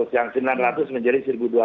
yang sembilan ratus menjadi satu dua ratus